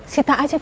sita aja bang